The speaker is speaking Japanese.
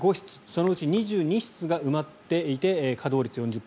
そのうち２２室が埋まっていて稼働率４０％。